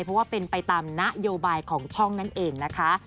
เพราะว่าเป็นไปตามนโยบายของช่องนั่นเองนะคะ